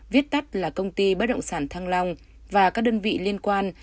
viết tắt là công ty bất động sản thăng long và các đơn vị liên quan